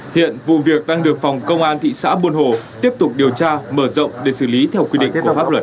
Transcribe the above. hiện vụ việc đang được phòng công an thị xã buôn hồ tiếp tục điều tra mở rộng để xử lý theo quy định pháp luật